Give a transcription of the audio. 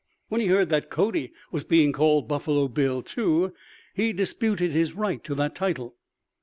When he heard that Cody was being called "Buffalo Bill" too, he disputed his right to that title.